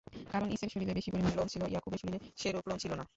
কারণ ঈসের শরীরে বেশি পরিমাণ লোম ছিল, ইয়াকূবের শরীরে সেরূপ লোম ছিল না।